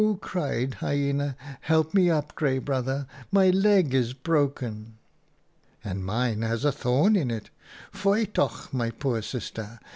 cried Hyena, 'help me up, Grey Brother. My leg is broken.' " 'And mine has a thorn in it. Foei toch, my poor sister!